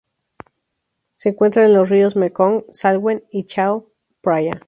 Se encuentra en los ríos Mekong, Salween y Chao Phraya.